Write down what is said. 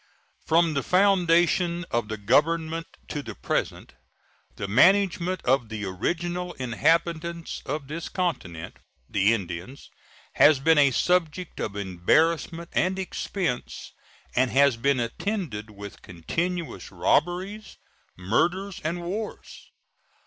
From the foundation of the Government to the present the management of the original inhabitants of this continent the Indians has been a subject of embarrassment and expense, and has been attended with continuous robberies, murders, and wars.